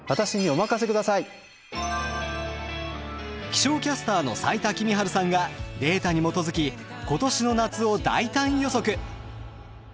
気象キャスターの斉田季実治さんがデータに基づき今年の夏を大胆予測！